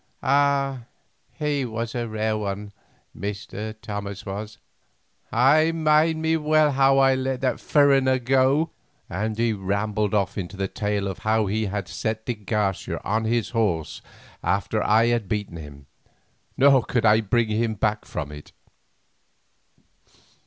Ah! he was a rare one, Mr. Thomas was; I mind me well how when I let the furriner go—" and he rambled off into the tale of how he had set de Garcia on his horse after I had beaten him, nor could I bring him back from it.